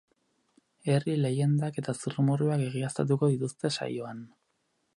Herri leiendak eta zurrumurruak egiaztatuko dituzte saioan.